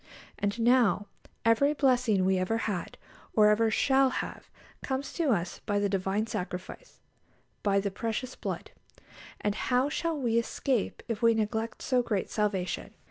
And now every blessing we ever had, or ever shall have, comes to us by the Divine Sacrifice, by "the precious blood." And "How shall we escape, if we neglect so great salvation?"